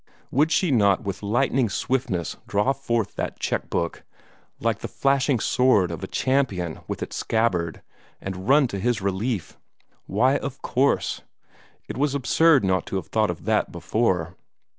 Would she not with lightning swiftness draw forth that check book, like the flashing sword of a champion from its scabbard, and run to his relief? Why, of course. It was absurd not to have thought of that before.